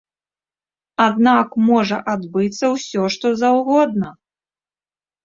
Аднак можа адбыцца ўсё што заўгодна.